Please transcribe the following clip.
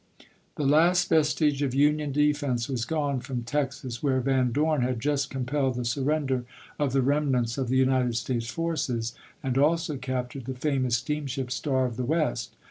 The last vestige of Union defense was gone from Texas, where Van Dorn had just compelled the surrender of the remnants of the United States forces, and also captured the famous steamship, Star of the West.